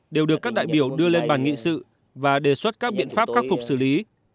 đều được các đại biểu đưa lên bàn nghị sự và đề xuất các biện pháp khắc phục xử lý